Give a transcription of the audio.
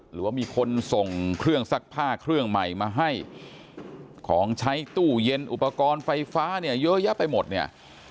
หรือว่ามีคนส่งเครื่องซักผ้าเครื่องใหม่มาให้ของใช้ตู้เย็นอุปกรณ์ไฟฟ้าเนี่ยเยอะแยะไปหมดเนี่ย